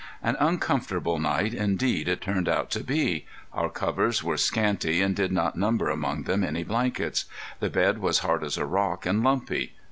An uncomfortable night indeed it turned out to be. Our covers were scanty and did not number among them any blankets. The bed was hard as a rock, and lumpy.